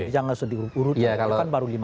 jangan sedih urut urut